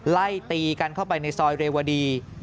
ไล่ตีกันเข้าไปในซอยเรวดี